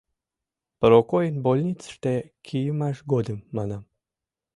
Прокойын больницыште кийымыж годым, манам.